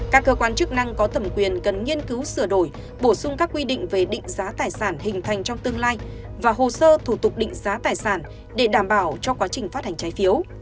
các cơ quan chức năng có thẩm quyền cần nghiên cứu sửa đổi bổ sung các quy định về định giá tài sản hình thành trong tương lai và hồ sơ thủ tục định giá tài sản để đảm bảo cho quá trình phát hành trái phiếu